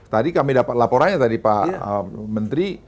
tadi kami dapat laporannya tadi pak menteri